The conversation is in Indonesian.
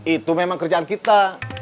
itu memang kerjaan kita